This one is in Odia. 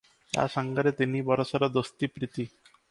ତା’ ସଙ୍ଗରେ ତିନି ବରଷର ଦୋସ୍ତି, ପ୍ରୀତି ।